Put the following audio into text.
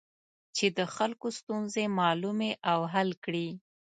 چې د خلکو ستونزې معلومې او حل کړي.